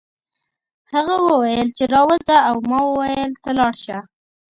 هغه وویل چې راوځه او ما وویل ته لاړ شه